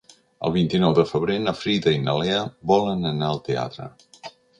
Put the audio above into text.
El vint-i-nou de febrer na Frida i na Lea volen anar al teatre.